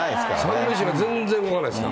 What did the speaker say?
３塁手が全然動かないですから。